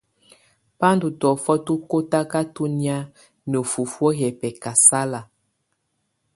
Bá ndù tɔ̀ofɔ tù kɔtakatɔ nɛ̀á ná fufuǝ́ yɛ bɛkasala.